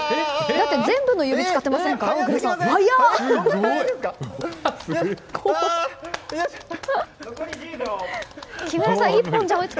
だって全部の指使ってませんか？